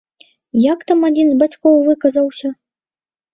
Як там адзін з бацькоў выказаўся?